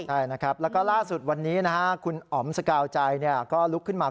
ใช่นะครับแล้วก็ล่าสุดวันนี้นะฮะคุณอ๋อมสกาวใจก็ลุกขึ้นมา